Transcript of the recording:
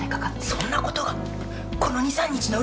そんなことがこの２、３日のうちで！？